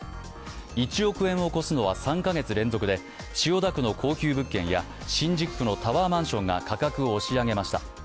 １億円を超すのは、３か月連続で千代田区の高級物件や新宿区のタワーマンションが価格を押し上げました。